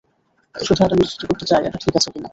শুধু এটা নিশ্চিত করতে চাই এটা ঠিক আছে কিনা।